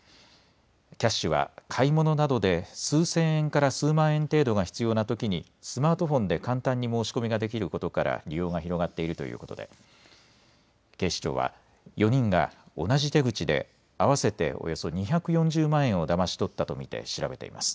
Ｋｙａｓｈは買い物などで数千円から数万円程度が必要なときにスマートフォンで簡単に申し込みができることから利用が広がっているということで警視庁は４人が同じ手口で合わせておよそ２４０万円をだまし取ったと見て調べています。